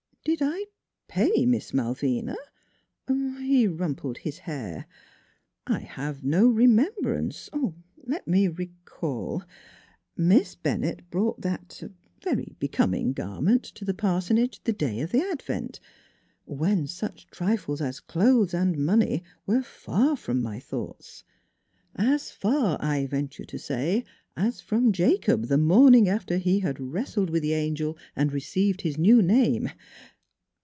"" Did I pay Miss Malvina? " He rumpled his hair. 102 NEIGHBORS "I have no remembrance er let me recall: Miss Bennett brought that er very becoming garment to the parsonage the day of the advent, when such trifles as clothes and money were far from my thoughts. As far I venture to say as from Jacob, the morning after he had wrestled with the angel and received his new name.